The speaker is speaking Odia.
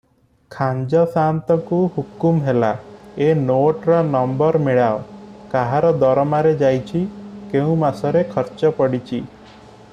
ଖାଞ୍ଜଶାନ୍ତକୁ ହୁକୁମ୍ ହେଲା- ଏ ନୋଟର ନମ୍ବର ମିଳାଅ- କାହାର ଦରମାରେ ଯାଇଚି- କେଉଁ ମାସରେ ଖର୍ଚ୍ଚ ପଡ଼ିଚି?